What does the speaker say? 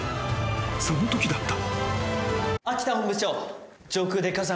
そのときだった］